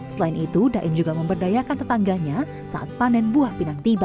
selain itu daem juga memberdayakan tetangganya saat panen buah pinang tiba